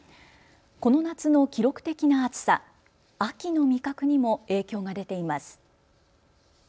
この夏の記録的な暑さ、秋の味覚にも影響が出ています。